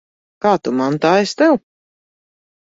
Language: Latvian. Kā tu man, tā es tev.